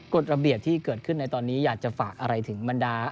กฎระเบียบที่เกิดขึ้นในตอนนี้อยากจะฝากอะไรถึงบรรดา